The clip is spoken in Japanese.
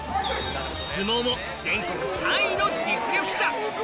相撲も全国３位の実力者